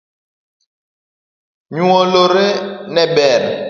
Nyoluoro ne ber